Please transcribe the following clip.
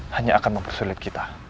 hanya akan mempersulit kita